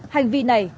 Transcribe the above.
hành vi này